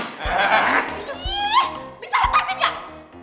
ih bisa lepasin gak